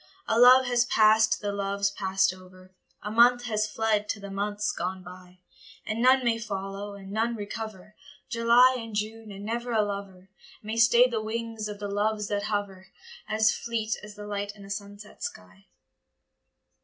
A love has passed to the loves passed over, A month has fled to the months gone by; And none may follow, and none recover July and June, and never a lover May stay the wings of the Loves that hover, As fleet as the light in a sunset sky.